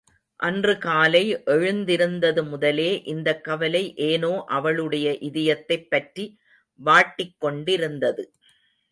அன்று காலை எழுந்திருந்தது முதலே இந்தக் கவலை ஏனோ அவளுடைய இதயத்தைப் பற்றி வாட்டிக் கொண்டிருந்தது.